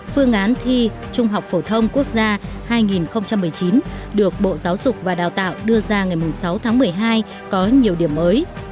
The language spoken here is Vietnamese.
phương án thi trung học phổ thông quốc gia hai nghìn một mươi chín được bộ giáo dục và đào tạo đưa ra ngày sáu tháng một mươi hai có nhiều điểm mới